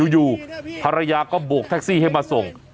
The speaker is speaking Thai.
อยู่ภรรยาก็โบกแท็กซี่ให้มาส่ง